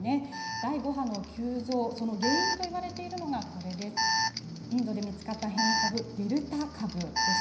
第５波の急増、その原因といわれているのがインドで見つかった変異株デルタ株です。